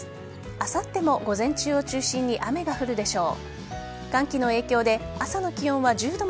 あさっても午前中を中心に雨が降るでしょう。